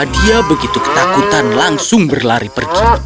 dia begitu ketakutan langsung berlari pergi